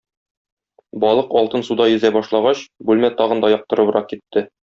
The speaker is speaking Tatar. Балык алтын суда йөзә башлагач, бүлмә тагын да яктырыбрак китте.